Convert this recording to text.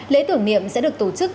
lễ tưởng niệm sẽ được tổ chức